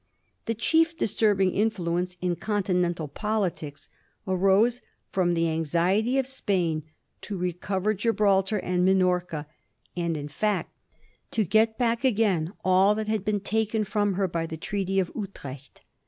The chief disturbing influence in Continental politics arose fi om the anxiefy of Spain to recover Gibraltar and Minorca, and, in fact, to get back again all that had been taken jfrom her by the Treaty of Utrecht.